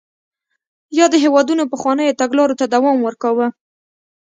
یادو هېوادونو پخوانیو تګلارو ته دوام ورکاوه.